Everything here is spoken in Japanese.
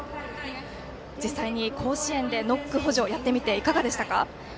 実際に甲子園でノック補助をやってみていかがでしたか？